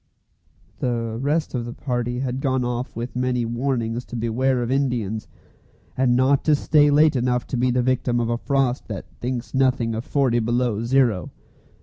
The rest of the party had gone off with many warnings to beware of Indians, and not to stay late enough to be the victim of a frost that thinks nothing of forty below zero.